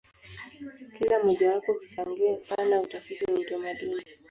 Kila mojawapo huchangia sana utafiti wa utamaduni.